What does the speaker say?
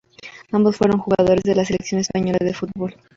Ambos fueron jugadores de la selección española de fútbol.